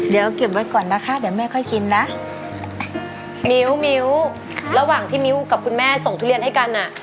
เดี๋ยวเก็บไว้ก่อนนะคะเดี๋ยวแม่ค่อยกินนะมิ้วมิ้วระหว่างที่มิ้วกับคุณแม่ส่งทุเรียนให้กันอ่ะ